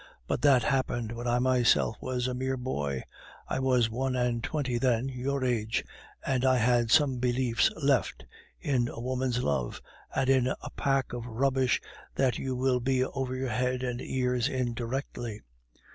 "But that happened when I myself was a mere boy; I was one and twenty then (your age), and I had some beliefs left in a woman's love, and in a pack of rubbish that you will be over head and ears in directly.